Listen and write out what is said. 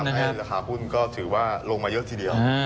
ให้ราคาหุ้นก็ถือว่าลงมาเยอะทีเดียว